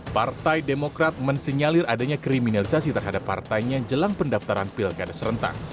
partai demokrat mensenyalir adanya kriminalisasi terhadap partainya jelang pendaftaran pilkada serentak